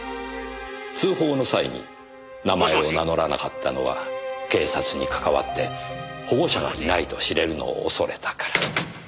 通報の際に名前を名乗らなかったのは警察にかかわって保護者がいないと知れるのを恐れたから。